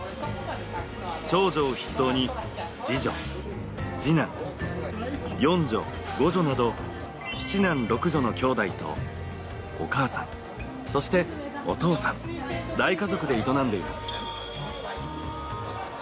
長女を筆頭に、次女、次男四女、五女など７男６女のきょうだいとお母さん、そしてお父さん、大家族で営んでいます。